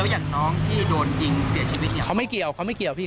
อย่างน้องที่โดนยิงเสียชีวิตเนี่ยเขาไม่เกี่ยวเขาไม่เกี่ยวพี่